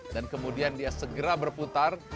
dan kemudian dia segera berputar